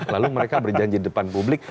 lalu mereka berjanji di depan publik